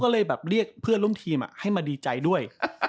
เรียกเพื่อนร่วมทีมให้มาดีใจด้วย